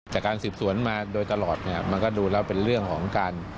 การสืบสวนมาโดยตลอดเนี่ยมันก็ดูแล้วเป็นเรื่องของการ